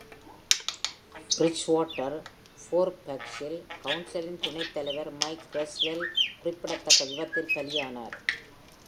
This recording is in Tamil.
பிரிட்ஜ்வாட்டர் ஃபேர்ஃபாக்ஸில் கவுன்சிலின் துணைத் தலைவர் மைக் கிரெஸ்வெல் குறிப்பிடத்தக்க விபத்தில் பலியானார்.